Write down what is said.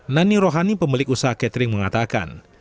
nani rohani pemilik usaha catering mengatakan